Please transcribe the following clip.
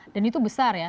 dan itu besar ya